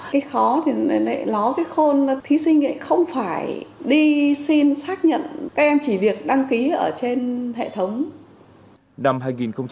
cái khó thì nó cái khôn thí sinh ấy không phải đi xin xác nhận các em chỉ việc đăng ký ở trên hệ thống